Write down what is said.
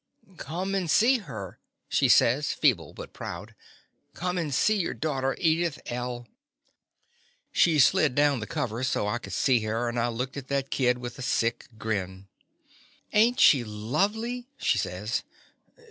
"Come and see her," she says, feeble but proud. "Come and see your daughter, Edith L." She slid down the covers so I could see her, and I looked at that kid with a sick grin. "Ain*t she lovely?" she says.